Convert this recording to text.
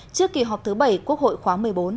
trước kỳ họp thứ bảy quốc hội khóa một mươi bốn